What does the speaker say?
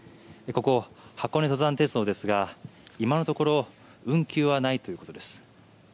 ここ、箱根登山鉄道ですが今のところ運休はないということです。